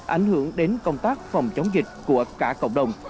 ảnh hưởng đến công tác phòng chống dịch của cả cộng đồng